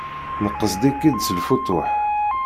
Nqesd-ik-id s lfutuḥ.